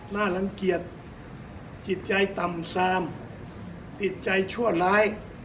น่ารังเกียจจิตใจต่ำซามจิตใจชั่วร้าย